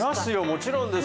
もちろんですよ。